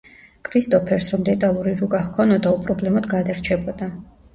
კრისტოფერს რომ დეტალური რუკა ჰქონოდა, უპრობლემოდ გადარჩებოდა.